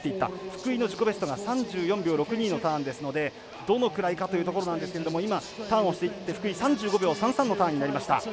福井の自己ベストが３４秒６２のターンですのでどのくらいかというところなんですがターンをしていって福井３５秒３３のターンになりました。